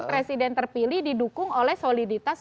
presiden terpilih didukung oleh soliditas